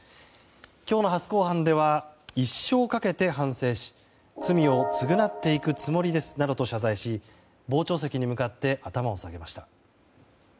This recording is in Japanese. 今日の初公判では一生かけて反省し罪を償っていくつもりですなどと謝罪し傍聴席に向かって頭を下げました。